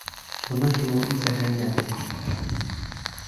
Бына һин ул иҫәрләнгәнһең!